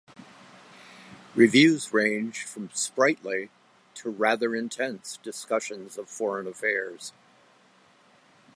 Reviews ranged from "sprightly" to "rather intense discussions of foreign affairs.